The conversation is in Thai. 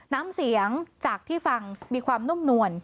น้ำเสียงจากที่ฟังมีความนุ่มนวล